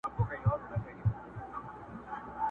خو آواز یې لا خپل نه وو آزمېیلی!